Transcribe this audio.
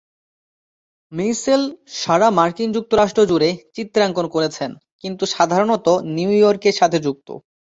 Mitchell সারা মার্কিন যুক্তরাষ্ট্র জুড়ে চিত্রাঙ্কন করেছেন কিন্তু সাধারণত নিউ ইয়র্কের সাথে যুক্ত।